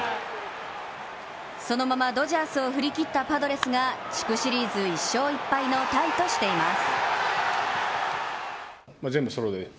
そのままドジャースを振り切ったパドレスが地区シリーズ１勝１敗のタイとしています。